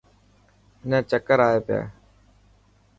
منا چڪر آئي پيا.